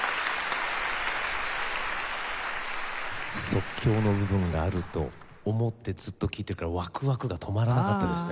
即興の部分があると思ってずっと聴いてるからワクワクが止まらなかったですね。